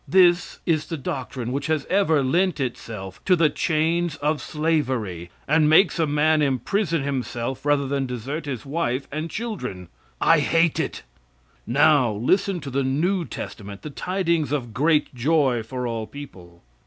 This is the doctrine which has ever lent itself to the chains of slavery, and makes a man imprison himself rather than desert his wife and children. I hate it. Now, listen to the new testament, the tidings of great joy for all people!